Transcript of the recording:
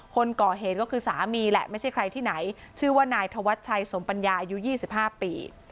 คนก่อเหตุก็คือสามีแหละไม่ใช่ใครที่ไหนชื่อว่านายธวัชชัยสมปัญญาอายุ๒๕ปี